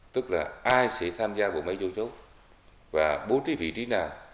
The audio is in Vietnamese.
tức là ai sẽ tham gia vào mấy vô chốt và bố trí vị trí nào